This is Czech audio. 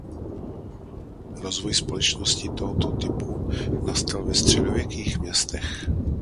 Rozvoj společností tohoto typu nastal ve středověkých městech.